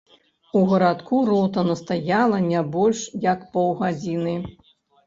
У гарадку рота настаяла не больш, як паўгадзіны.